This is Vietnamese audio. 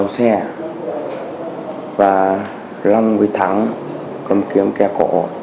cháu xe và long huy thắng cầm kiếm kẻ cổ